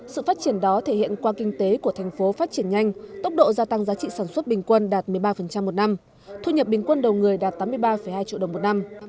sự phát triển đó thể hiện qua kinh tế của thành phố phát triển nhanh tốc độ gia tăng giá trị sản xuất bình quân đạt một mươi ba một năm thu nhập bình quân đầu người đạt tám mươi ba hai triệu đồng một năm